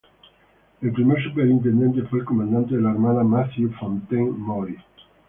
El primer superintendente fue el comandante de la armada Matthew Fontaine Maury.